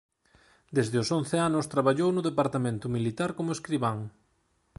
Desde os once anos traballou no departamento militar como escribán.